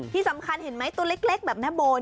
ที่สำคัญเห็นไหมตัวเล็กแบบแม่โบ